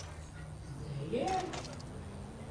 Údajně existovala ještě verze se žlutou rukojetí.